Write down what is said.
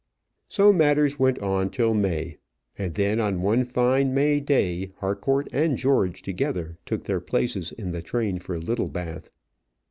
So matters went on till May; and then, on one fine May day, Harcourt and George together took their places in the train for Littlebath.